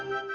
eh tua ya